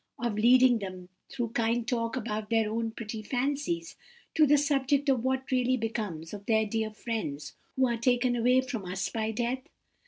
—of leading them, through kind talk about their own pretty fancies, to the subject of what really becomes of the dear friends who are taken away from us by death?